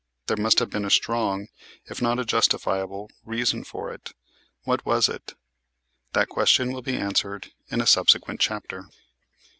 There must have been a strong, if not a justifiable, reason for it. What was it? That question will be answered in a subsequent chapter.